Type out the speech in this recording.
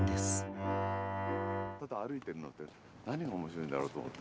歩いてるのって何が面白いんだろうと思って。